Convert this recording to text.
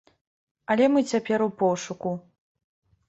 Але мы цяпер у пошуку.